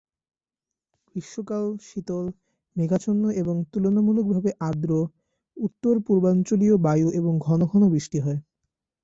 গ্রীষ্মকাল শীতল, মেঘাচ্ছন্ন এবং তুলনামূলকভাবে আর্দ্র, উত্তর-পূর্বাঞ্চলীয় বায়ু এবং ঘন ঘন বৃষ্টি হয়।